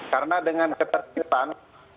karena dengan ketertiban